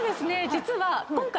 実は今回。